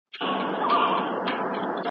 تا خو لیدې د خزانونو له چپاوه کډي